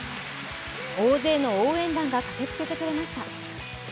大勢の応援団が駆けつけてくれました。